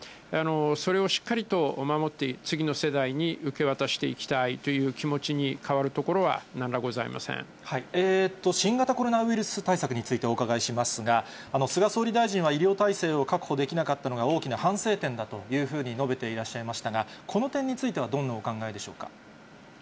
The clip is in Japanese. それをしっかりと守って、次の世代に受け渡していきたいという気持ちに変わるところはなん新型コロナウイルス対策についてお伺いしますが、菅総理大臣は、医療体制を確保できなかったのが、大きな反省点だというふうに述べていらっしゃいましたが、この点についてはどんなお考えでしょうか。